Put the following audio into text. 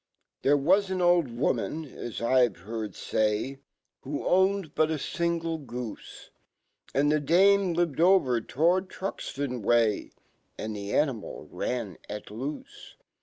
\ 1 here wa* an old woman, as I've/ heard fny, Who owned butafingle/goob. Andfhe dame lived over towardTruxtonway, Andihe animal ran. at loofc